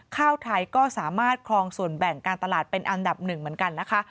ข้าวไทยก็สามารถครองส่วนแบ่งการตลาดเป็นอันดับหนึ่งเหมือนกันนะคะ